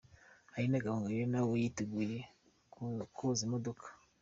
Aline Gahongayire na we yiteguye koza imodoka.